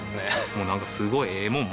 もうなんかすごいええもん